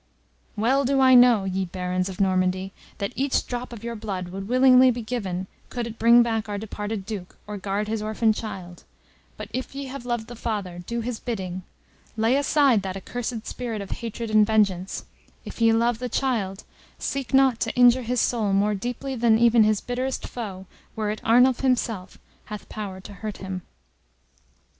Well do I know, ye Barons of Normandy, that each drop of your blood would willingly be given, could it bring back our departed Duke, or guard his orphan child; but, if ye have loved the father, do his bidding lay aside that accursed spirit of hatred and vengeance; if ye love the child, seek not to injure his soul more deeply than even his bitterest foe, were it Arnulf himself, hath power to hurt him."